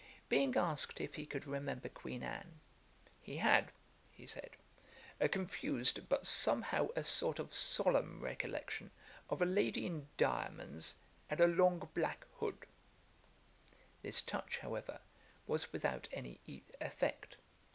Being asked if he could remember Queen Anne, 'He had (he said) a confused, but somehow a sort of solemn recollection of a lady in diamonds, and a long black hood.' This touch, however, was without any effect.